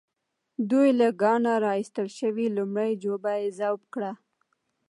دوی له کانه را ايستل شوې لومړۍ جوپه ذوب کړه.